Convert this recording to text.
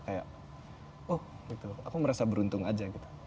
kayak oh gitu aku merasa beruntung aja gitu